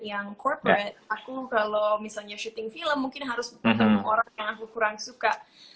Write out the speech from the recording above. yang corporate aku kalau misalnya syuting film mungkin harus ketemu orang yang aku kurang suka